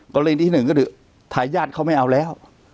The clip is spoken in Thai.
กรณีที่หนึ่งก็คือทายาทเขาไม่เอาแล้ว